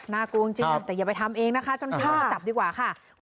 น่ากลัวจริงแต่อย่าไปทำเองนะคะเจ้าหน้าที่ก็จับดีกว่าค่ะ